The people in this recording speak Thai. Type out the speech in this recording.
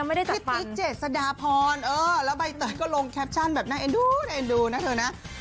พิติเจศดาพรแล้วใบเตยก็ลงแคปชั่นแบบน่าเอ็นดูนะเธอนะ